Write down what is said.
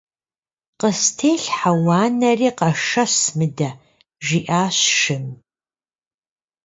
- Къыстелъхьэ уанэри, къэшэс мыдэ! - жиӏащ шым.